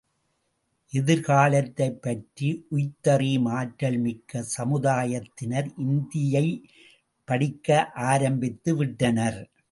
எதிர்காலத்தைப் பற்றி உய்த்தறியும் ஆற்றல் மிக்க சமுதாயத்தினர் இந்தியைப் படிக்க ஆரம்பித்து விட்டனர்.